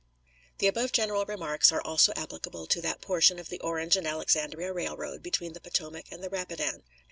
The above general remarks are also applicable to that portion of the Orange and Alexandria Railroad between the Potomac and the Rapidan.